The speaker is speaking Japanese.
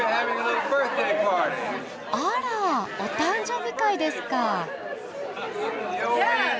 あらお誕生日会ですか。